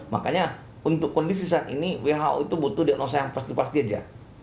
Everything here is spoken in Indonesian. makanya untuk kondisi saat ini who itu butuh diagnosa yang pasti pasti aja